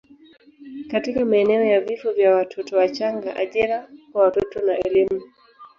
katika maeneo ya vifo vya watoto wachanga, ajira kwa watoto na elimu.